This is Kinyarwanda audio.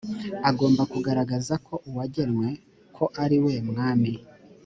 agomba kugaragaza ko uwagenwe ko ariwe mwami